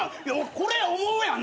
これ思うやん。